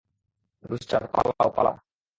Rooster, পালাও, পালাও!